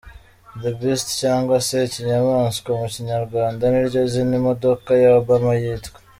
The beast ‘cyangwa se ikinyamaswa mu Kinyarwanda niryo zina imodoka ya Obama yitwa.